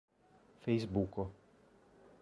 fejsbuko